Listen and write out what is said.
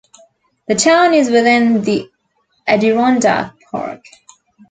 The town is within the Adirondack Park.